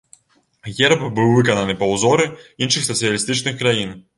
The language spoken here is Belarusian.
Герб быў выкананы па ўзоры іншых сацыялістычных краін.